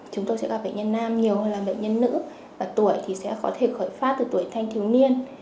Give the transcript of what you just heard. chúng tôi sẽ gặp bệnh nhân nam nhiều hơn là bệnh nhân nữ và tuổi thì sẽ có thể khởi phát từ tuổi thanh thiếu niên